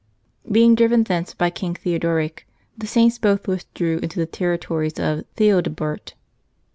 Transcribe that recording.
Being driven thence by King Theodoric, the Saints both withdrew into the territories of Theodebert.